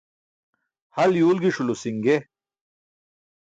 Hal yuwlġiṣulo si̇nge.